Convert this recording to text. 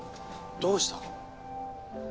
どうした？